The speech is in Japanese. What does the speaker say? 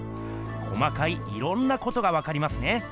細かいいろんなことがわかりますね。